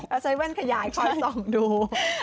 เอาใช้แว่นขยายคอยส่องดู